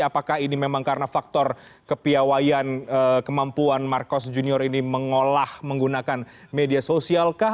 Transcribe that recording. apakah ini memang karena faktor kepiawayan kemampuan marcos junior ini mengolah menggunakan media sosial kah